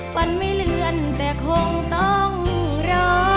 ฝันไม่เลื่อนแต่คงต้องรอ